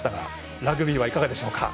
ラグビーはいかがでしょうか？